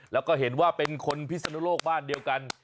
แล้วก็เห็นว่าเป็นคนพิศนุโลกบ้านเดียวกัน